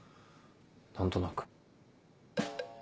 何となく。